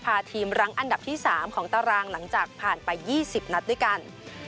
พาทีมรั้งอันดับที่๓ของตารางหลังจากผ่านไป๒๐นัดด้วยกัน